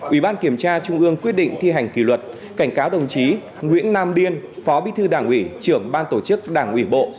ubkt quyết định thi hành kỷ luật cảnh cáo đồng chí nguyễn nam điên phó bí thư đảng ủy trưởng ban tổ chức đảng ủy bộ